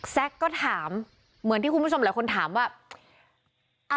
แซ็กก็ถามเหมือนที่คุณผู้ชมหลายคนถามว่า